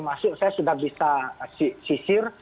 masuk saya sudah bisa sisir